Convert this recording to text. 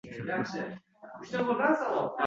U kuch bilan koʻkragidan qattiq itarib yerga yiqitdi.